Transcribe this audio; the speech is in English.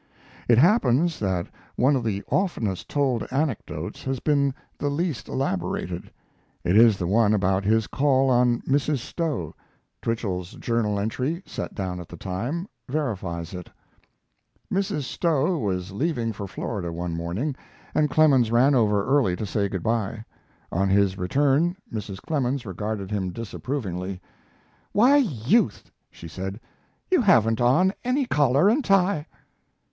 It happens that one of the oftenest told anecdotes has been the least elaborated. It is the one about his call on Mrs. Stowe. Twichell's journal entry, set down at the time, verifies it: Mrs. Stowe was leaving for Florida one morning, and Clemens ran over early to say good by. On his return Mrs. Clemens regarded him disapprovingly: "Why, Youth," she said, "you haven't on any collar and tie."